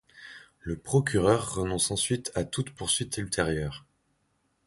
Le procureur renonce ensuite à toute poursuite ultérieure.